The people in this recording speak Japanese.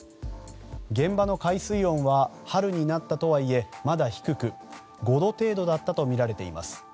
現場の海水温は春になったとはいえまだ低く、５度程度だったとみられています。